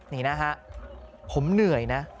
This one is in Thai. นี่นะฮะผมเหนื่อยนะ